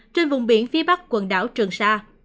trên vùng biển phía bắc quần đảo trường sa